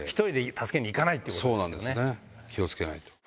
気を付けないと。